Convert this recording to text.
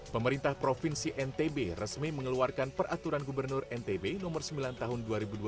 pemerintah provinsi ntb resmi mengeluarkan peraturan gubernur ntb no sembilan tahun dua ribu dua puluh